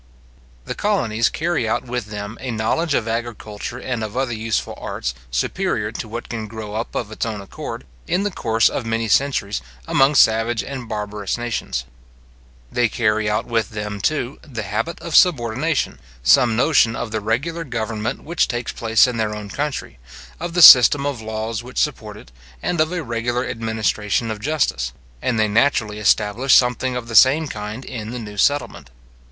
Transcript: The colonies carry out with them a knowledge of agriculture and of other useful arts, superior to what can grow up of its own accord, in the course of many centuries, among savage and barbarous nations. They carry out with them, too, the habit of subordination, some notion of the regular government which takes place in their own country, of the system of laws which support it, and of a regular administration of justice; and they naturally establish something of the same kind in the new settlement.